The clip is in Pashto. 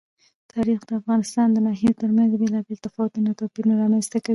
تاریخ د افغانستان د ناحیو ترمنځ بېلابېل تفاوتونه او توپیرونه رامنځ ته کوي.